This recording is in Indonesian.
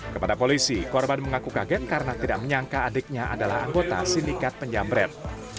kepada polisi korban mengaku kaget karena tidak menyangka adiknya adalah anggota sindikat penjamret